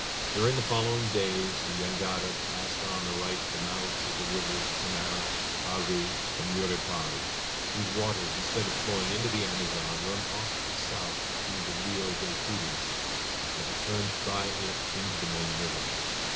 During the following days the jangada passed on the right the mouths of the rivers Camara, Aru, and Yuripari, whose waters instead of flowing into the Amazon run off to the south to feed the Rio des Purus, and return by it into the main river.